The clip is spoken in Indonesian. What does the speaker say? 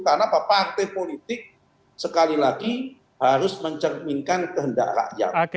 karena partai politik sekali lagi harus mencerminkan kehendak rakyat